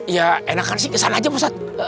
ya enakan sih ke sana aja ustadz